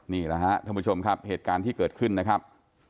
นี่แหละครับท่านผู้ชมครับเหตุการณ์ที่เกิดขึ้นนะครับ